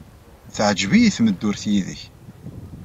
Teɛjeb-iyi tmeddurt yid-k.